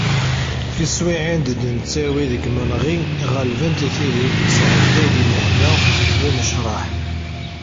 Tiswiɛin i d-nettawi deg yimenɣi ɣelbent tid i d-nesɛedday deg lehna d unecraḥ.